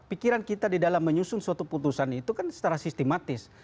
pikiran kita di dalam menyusun suatu putusan itu kan secara sistematis